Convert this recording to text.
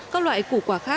các loại củ quả